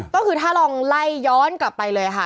ก็คือถ้าลองไล่ย้อนกลับไปเลยค่ะ